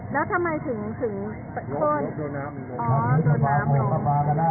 แล้วทำไมถึงถึงโดนน้ำโดนน้ำโดนน้ำ